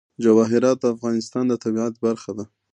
جواهرات د افغانستان د طبیعت برخه ده.